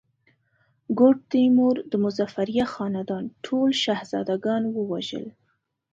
ګوډ تیمور د مظفریه خاندان ټول شهزاده ګان ووژل.